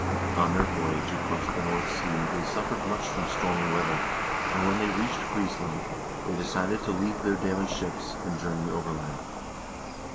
On their voyage across the North Sea they suffered much from stormy weather, and when they reached Friesland, they decided to leave their damaged ships, and journey overland.